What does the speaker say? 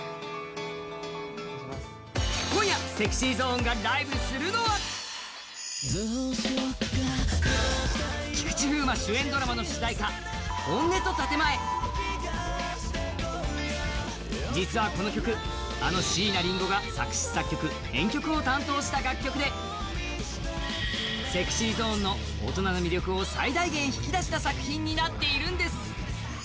今夜、ＳｅｘｙＺｏｎｅがライブするのは実はこの曲、あの椎名林檎が作詞・作曲・編曲を担当した楽曲で、ＳｅｘｙＺｏｎｅの大人の魅力を最大限引き出した曲となっているんです。